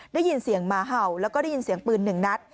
ได้ยินเสียงหมาเห่าแล้วก็ได้ยินเสียงปืนหนึ่งนัด